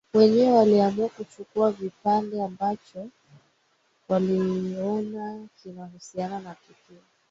Waenyewe waliamua kuchukua kipande ambacho waliona kinahusiana na tukio